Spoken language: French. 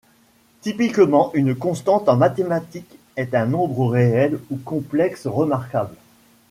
Typiquement, une constante en mathématiques est un nombre réel ou complexe remarquable.